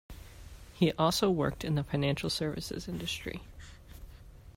He also worked in the financial services industry.